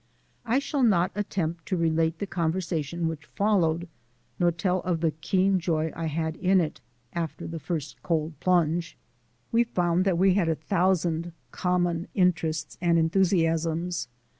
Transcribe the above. I shall not attempt to relate the conversation which followed, nor tell of the keen joy I had in it after the first cold plunge. We found that we had a thousand common interests and enthusiasms.